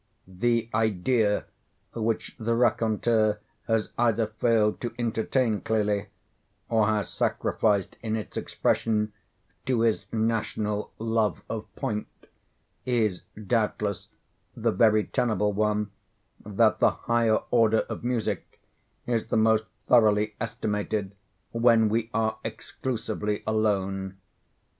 The idea which the raconteur has either failed to entertain clearly, or has sacrificed in its expression to his national love of point, is, doubtless, the very tenable one that the higher order of music is the most thoroughly estimated when we are exclusively alone.